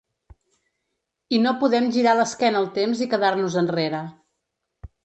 I no podem girar l’esquena al temps i quedar-nos enrere.